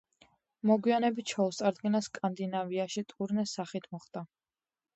მოგვიანებით შოუს წარდგენა სკანდინავიაში ტურნეს სახით მოხდა.